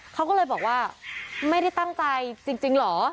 เขาก็เลยบอกว่าไม่ได้ตั้งใจจริงเหรอ